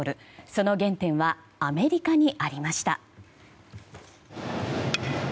その原点はアメリカにありました。